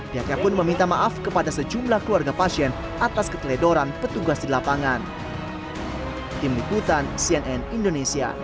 pihaknya pun meminta maaf kepada sejumlah keluarga pasien atas keteledoran petugas di lapangan